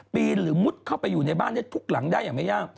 ปีนหรือมุดเข้าไปอยู่ในบ้านได้ทุกหลังได้อย่างไม่ยาก